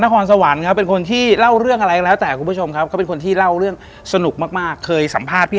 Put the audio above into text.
ตอนวันที่๑สักชุดหนึ่ง๑๐ใบ